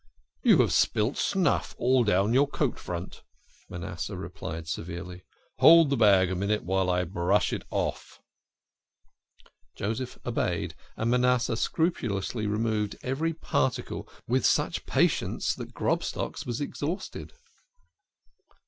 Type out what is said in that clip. " You have spilt snuff all down your coat front," Manasseh replied severely. " Hold the bag a moment while I brush it off." Joseph obeyed, and Manasseh scrupulously removed every particle with such patience that Grobstock's was exhausted.